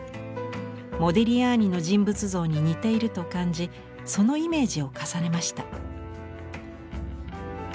モディリアーニの人物像に似ていると感じそのイメージを重ねました。